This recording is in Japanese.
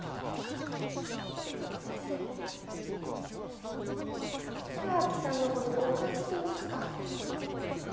私北脇さんのこと誤解していました。